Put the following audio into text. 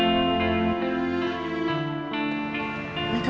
meka bukan calon pacar aku